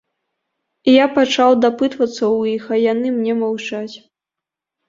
Я пачаў дапытвацца ў іх, а яны мне маўчаць.